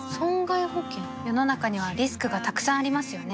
世の中にはリスクがたくさんありますよね